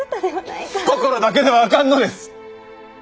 心だけではあかんのです！